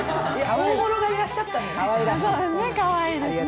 大物がいらっしゃったのでね。